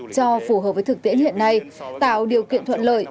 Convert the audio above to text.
cho phù hợp với thực tiễn hiện nay tạo điều kiện thuận lợi